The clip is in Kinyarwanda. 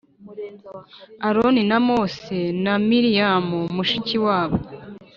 Aroni na Mose na Miriyamu mushiki wabo